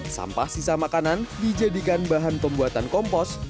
sampah sisa makanan dijadikan bahan pembuatan kompos